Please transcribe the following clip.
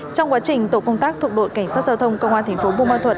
trong quá trình tổ công tác thuộc bộ cảnh sát giao thông công an thành phố bù ma thuật